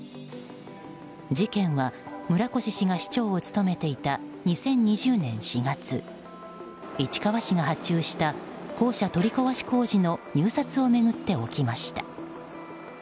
事件は村越氏が市長を務めていた２０２０年４月市川市が発注した校舎取り壊し工事の入札を巡って起きました。